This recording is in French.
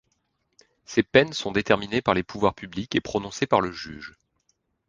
Ces peines sont déterminées par les pouvoirs publics et prononcées par le juge.